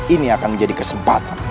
ini akan menjadi kesempatan